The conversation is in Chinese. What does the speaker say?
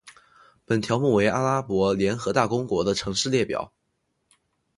本条目为阿拉伯联合大公国的城市列表。